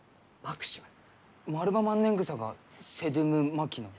マルバマンネングサがセドゥム・マキノイ？